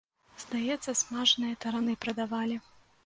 Здаецца, смажаныя тараны прадавалі.